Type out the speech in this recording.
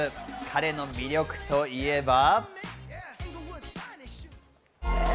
彼の魅力といえば。